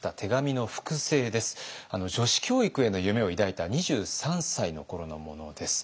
女子教育への夢を抱いた２３歳の頃のものです。